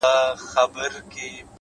هره هڅه ځانګړی ارزښت لري؛